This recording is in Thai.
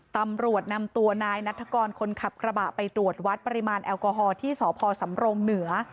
ตำรวจนำตัวนายนัฐกรคนขับกระบะไปตรวจวัดปริมาณแอลกอฮอลที่สพสำรงเหนือ